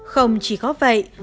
không chỉ có vậy trung tâm